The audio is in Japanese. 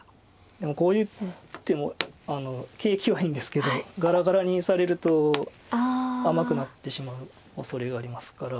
でもこういう手も景気はいいんですけどがらがらにされると甘くなってしまうおそれがありますから。